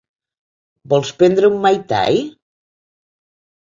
Vols prendre un mai tai?